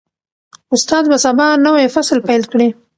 استاد به سبا نوی فصل پیل کړي.